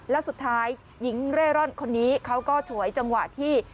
แล้วสุดท้ายหญิงเร่ร่อนคนนี้เขาก็ฉวยจังหวะที่